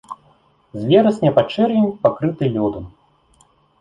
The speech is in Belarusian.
З верасня па чэрвень пакрыты лёдам.